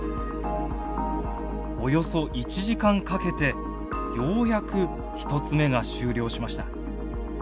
およそ１時間かけてようやく１つ目が終了しました。